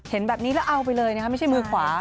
เห็นแบบนี้แล้วเอาไปเลยนะครับไม่ใช่มือขวา